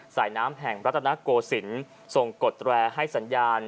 สายน้ำแห่งรัฐนโกศิลป์ส่งกดแรร์ให้สัญญาณ